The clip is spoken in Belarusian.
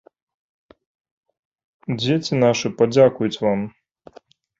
Дзеці нашы падзякуюць вам!